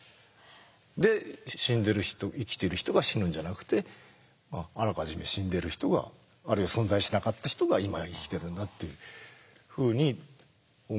で死んでる人生きてる人が死ぬんじゃなくてあらかじめ死んでる人があるいは存在しなかった人が今生きてるんだっていうふうに思い始めてたんですよね。